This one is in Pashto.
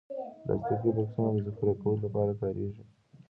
پلاستيکي بکسونه د ذخیره کولو لپاره کارېږي.